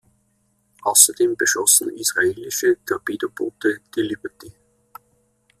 Außerdem beschossen israelische Torpedoboote die "Liberty".